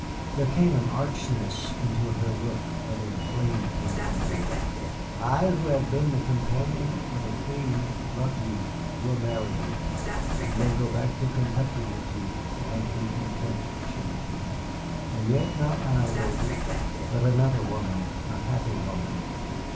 There came an archness into her look that inflamed me the more. "I, who have been the companion of a Queen, love you, will marry you, will go back to Kentucky with you and be content," she repeated. "And yet not I, David, but another woman a happy woman.